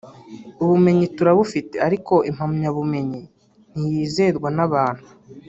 “Ubumenyi turabufite ariko impamyabumenyi ntiyizerwa n’abantu